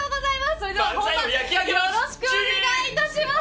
それでは本番よろしくお願いいたします。